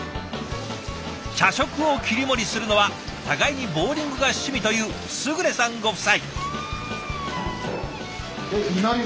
社食を切り盛りするのは互いにボウリングが趣味という勝さんご夫妻。